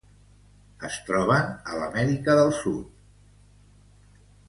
Es troben a l'Amèrica del Sud: